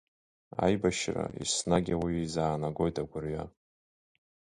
Аибашьра еснагь ауаҩы изаанагоит агәырҩа.